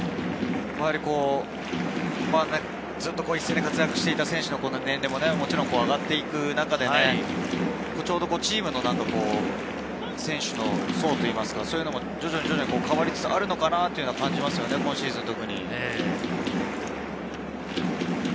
やはりずっと一線で活躍していた選手の年齢も上がっていく中で、ちょうどチームの選手の層といいますか、そういうのも徐々に変わりつつあるのかなというのは感じますよね、今シーズンは特に。